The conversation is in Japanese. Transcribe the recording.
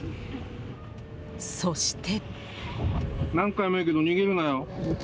そして。